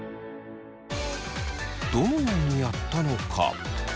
どのようにやったのか。